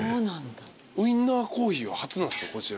ウィンナーコーヒーは初なんすか？